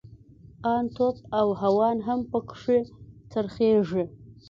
ان توپ او هاوان هم پکښې خرڅېږي.